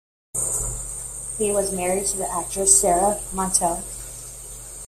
He was married to the actress Sara Montiel.